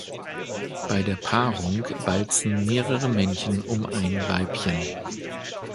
Bei der Paarung balzen mehrere Männchen um ein Weibchen.